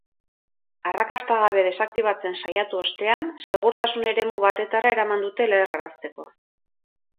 Arrakasta gabe desaktibatzen saiatu ostean, segurtasun eremu batetara eraman dute leherrarazteko.